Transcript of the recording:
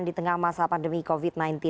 di tengah masa pandemi covid sembilan belas